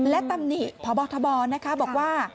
และตำหนิพบธบบอกว่า